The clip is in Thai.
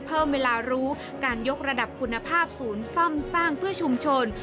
เพิ่มเวลารู้การยกระดับคุณภาพศูนย์ซ่อมสร้างเพื่อชุมชน